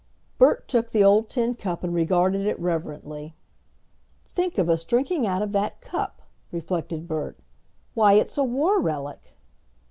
Bert took the old tin cup and regarded it reverently. "Think of us drinking out of that cup," reflected Bert. "Why, it's a war relic!"